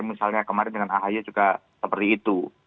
misalnya kemarin dengan ahy juga seperti itu